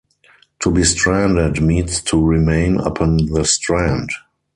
To be stranded means to remain upon the strand.